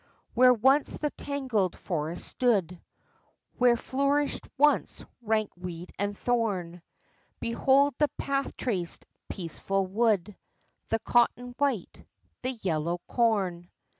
Where once the tangled forest stood, Where flourished once rank weed and thorn, Behold the path traced, peaceful wood, The cotton white, the yellow corn.